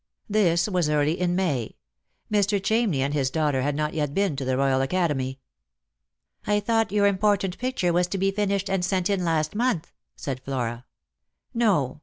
This was early in May. Mr. Chamney and his daughter ha 2 not yet been to the Royal Academy. " I thought your important picture was tc be finished ana sent in last month," said Flora; " No.